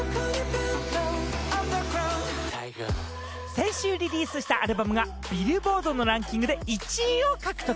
先週リリースしたアルバムがビルボードのランキングで１位を獲得！